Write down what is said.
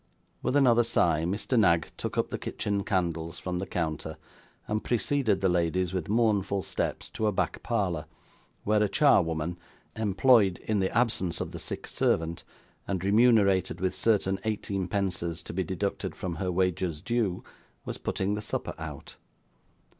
With another sigh Mr. Knag took up the kitchen candles from the counter, and preceded the ladies with mournful steps to a back parlour, where a charwoman, employed in the absence of the sick servant, and remunerated with certain eighteenpences to be deducted from her wages due, was putting the supper out.